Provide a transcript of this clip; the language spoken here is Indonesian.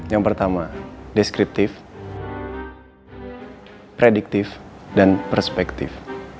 yang pertama deskriptif prediktif dan perspektif